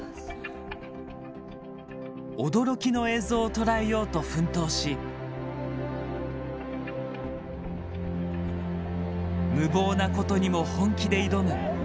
驚きの映像をとらえようと奮闘し無謀なことにも本気で挑む。